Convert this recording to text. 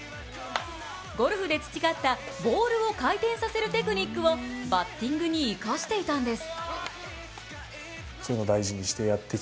ゴルフで培った、ボールを回転させるテクニックをバッティングに生かしていたんです。